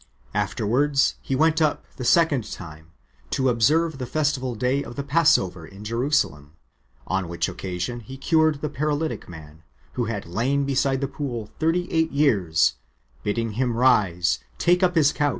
^ Afterwards He went up, the second time, to observe the festival day of the passover * in Jerusalem ; on which occasion He cured the paralytic man, who had lain beside the pool thirty eight years, bidding him rise, take up 1 Rom.